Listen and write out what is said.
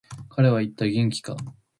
彼は言った、元気か。